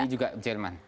ini juga jerman